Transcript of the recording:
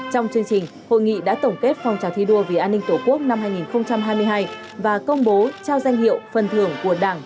trong chương trình hội nghị đã tổng kết phòng trào thi đua vì an ninh tổ quốc năm hai nghìn hai mươi hai và công bố trao danh hiệu phần thưởng của đảng